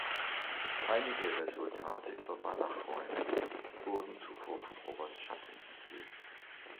Einige Resultate über Banachräume wurden zuvor von Robert Schatten erzielt.